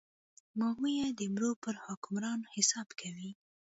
ماهویه د مرو پر حکمران حساب کوي.